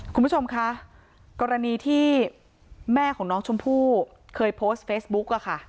คุณผู้ชมคะกรณีที่แม่ของน้องชมพู่เคยโพสต์เฟซบุ๊กอะค่ะ